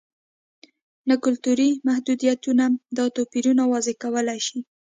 نه کلتوري محدودیتونه دا توپیرونه واضح کولای شي.